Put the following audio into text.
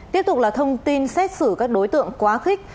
tiếp tục là thông tin xét xử các đối tượng quá khích